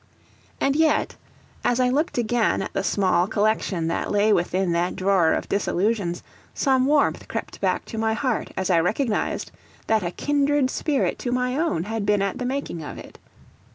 And yet, as I looked again at the small collection that lay within that drawer of disillusions, some warmth crept back to my heart as I recognised that a kindred spirit to my own had been at the making of it.